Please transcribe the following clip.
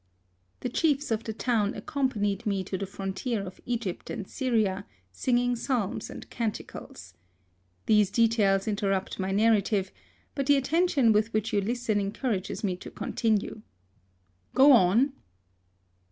The chiefs of the town accompanied me to the frontier of Egjrpt and Syria, singing psahns and canticles. These details inter rupt my narrative, but the attention with which you listen encourages me to continue. (Go on.)